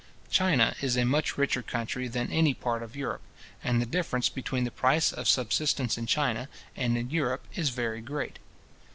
China is a much richer country than any part of Europe, and the difference between the price of subsistence in China and in Europe is very great.